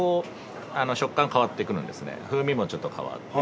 風味もちょっと変わって。